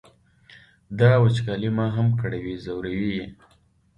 دا وچکالي ما هم کړوي ځوروي یې.